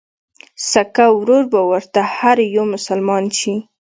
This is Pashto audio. سکه ورور به ورته هر يو مسلمان شي